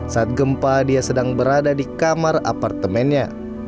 saat gempa dia sedang berada di kamar apartemennya